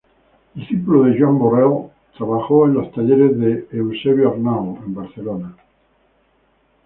Discípulo de Joan Borrell, trabajó en los talleres de Eusebio Arnau en Barcelona.